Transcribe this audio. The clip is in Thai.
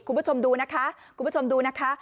คุณผู้ชมดูนะคะคุณผู้ชมดูนะคะ